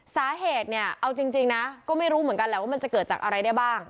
สาเหตุเนี่ยเอาจริงนะก็ไม่รู้เหมือนกันแหละว่ามันจะเกิดจากอะไรได้บ้าง